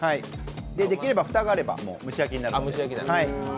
できれば蓋があれば蒸し焼きになるので。